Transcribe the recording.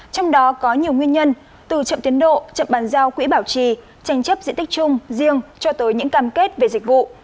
trong đó có nhiều nguyên nhân từ chậm tiến độ chậm bàn giao quỹ bảo trì tranh chấp diện tích chung riêng cho tới những cam kết về dịch vụ